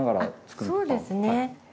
あっそうですね。